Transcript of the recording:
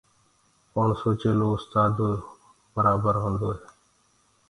ڪوڻسو چيلو اُستآدو برآبر هوندوئي